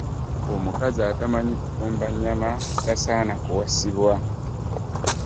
Omukazi atamanyi kufumba nnyama tasaana kuwasibwa.